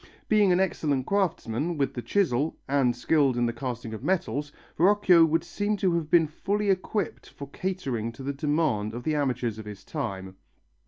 Being an excellent craftsman with the chisel, and skilled in the casting of metals, Verrocchio would seem to have been fully equipped for catering to the demand of the amateurs of his time.